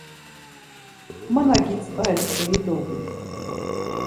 Ma na gitzvare steri dovi.